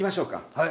はい！